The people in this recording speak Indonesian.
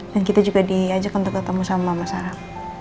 dan kita juga diajak untuk ketemu sama mama sarah